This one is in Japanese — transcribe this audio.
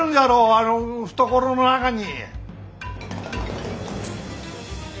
あの懐の中に。